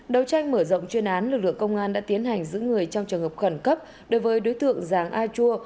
đầu tranh mở rộng chuyên án lực lượng công an đã tiến hành giữ người trong trường hợp khẩn cấp đối với đối tượng giàng a chua